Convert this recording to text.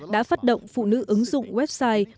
đã phát động phụ nữ ứng dụng website